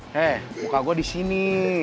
hei muka gue disini